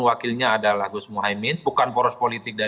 akhirnya di situ mas posisinya